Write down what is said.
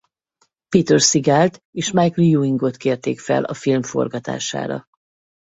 Peter Segalt és Michael Ewingot kérték fel a film forgatására.